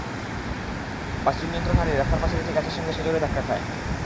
বাসটি নিয়ন্ত্রণ হারিয়ে রাস্তার পাশের একটি গাছের সঙ্গে সজোরে ধাক্কা খায়।